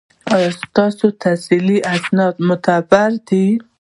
ایا ستاسو تحصیلي اسناد معتبر دي؟